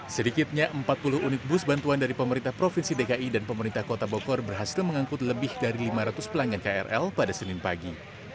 sedikitnya empat puluh unit bus bantuan dari pemerintah provinsi dki dan pemerintah kota bogor berhasil mengangkut lebih dari lima ratus pelanggan krl pada senin pagi